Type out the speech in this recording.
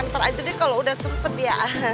nanti aja deh kalau udah sempat ya